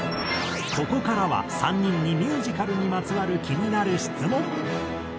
ここからは３人にミュージカルにまつわる気になる質問。